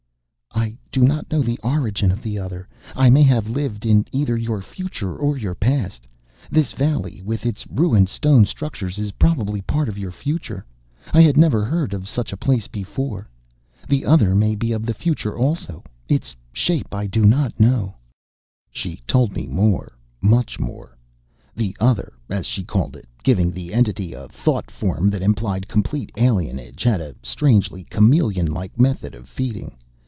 "I do not know the origin of the Other. I may have lived in either your future or your past. This valley, with its ruined stone structures, is probably part of your future. I had never heard of such a place before. The Other may be of the future also. Its shape I do not know...." She told me more, much more. The Other, as she called it giving the entity a thought form that implied complete alienage had a strangely chameleon like method of feeding.